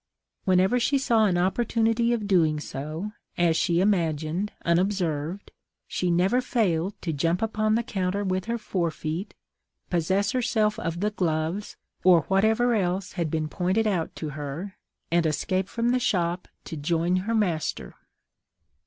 Whenever she saw an opportunity of doing so, as she imagined, unobserved, she never failed to jump upon the counter with her fore feet, possess herself of the gloves, or whatever else had been pointed out to her, and escape from the shop to join her master.